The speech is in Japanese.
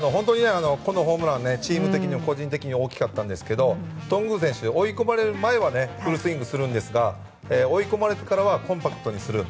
このホームランチーム的にも、個人的にも大きかったんですけど頓宮選手、追い込まれる前はフルスイングするんですが追い込まれてからはコンパクトにする。